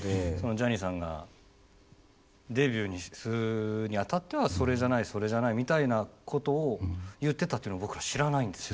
ジャニーさんがデビューするにあたっては「それじゃないそれじゃない」みたいなことを言ってたっていうのを僕ら知らないんですよ。